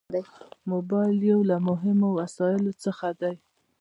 موبایل یو له مهمو وسایلو څخه دی.